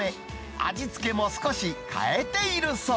味付けも少し変えているそう。